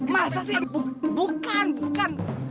masa sih bukan bukan